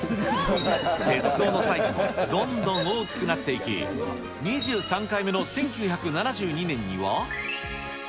雪像のサイズもどんどん大きくなっていき、２３回目の１９７２年には。